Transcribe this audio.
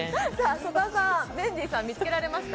曽田さん、メンディーさん見つけられました？